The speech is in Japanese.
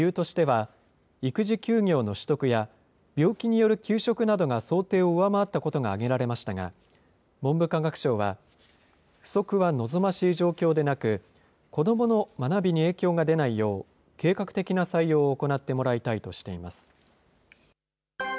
理由としては、育児休業の取得や、病気による休職などが想定を上回ったことが挙げられましたが、文部科学省は、不足は望ましい状況でなく、子どもの学びに影響が出ないよう、計画的な採用を行ってもらいたいとしています。